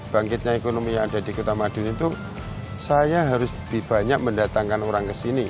bangkitnya ekonomi yang ada di kota madiun itu saya harus lebih banyak mendatangkan orang ke sini